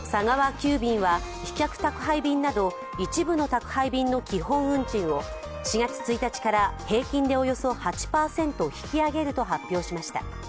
急便は飛脚宅配便など一部の宅配便の基本運賃を４月１日から平均でおよそ８％引き上げると発表しました。